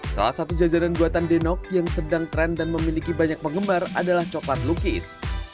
salah satu jajanan buatan denok yang sedang tren dan memiliki banyak penggemar adalah coklat lukis